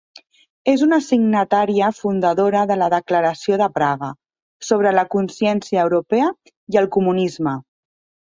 És una signatària fundadora de la Declaració de Praga sobre la Consciència Europea i el Comunisme.